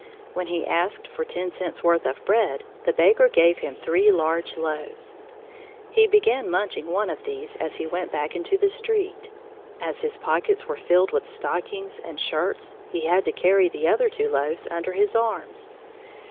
When he asked for ten cents' worth of bread, the baker gave him three large loaves. He began munching one of these as he went back into the street. As his pockets were filled with stockings and shirts, he had to carry the other two loaves under his arms.